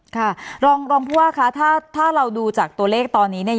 ค่ะรองผู้ว่าคะถ้าเราดูจากตัวเลขตอนนี้เนี่ย